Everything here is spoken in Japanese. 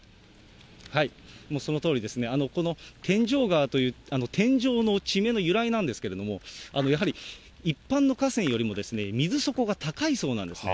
そのとおりですね、この天井川という、天井の地名の由来なんですけれども、やはり一般の河川よりも水底が高いそうなんですね。